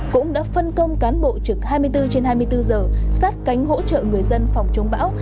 cũng đã phân công cán bộ trực hai mươi bốn trên hai mươi bốn giờ sát cánh hỗ trợ người dân phòng chống bão